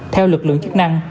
theo lực lượng chức năng